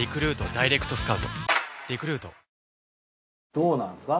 どうなんすか？